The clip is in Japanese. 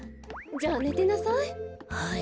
じゃあねてなさい。